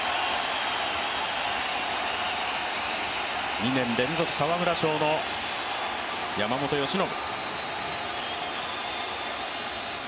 ２年連続沢村賞の山本由伸。